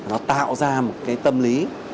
nó tạo ra một tâm lý